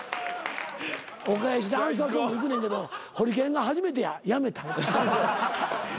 お返しでアンサーソングいくねんけどホリケンが初めてややめた。